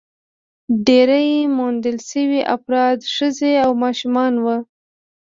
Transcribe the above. ډېری موندل شوي افراد ښځې او ماشومان وو.